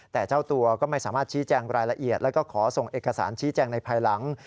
แต่เจ้าตัวก็ไม่สามารถชี้แจงรายละเอียดแล้วก็ขอส่งเอกสารชี้แจงในภายหลัง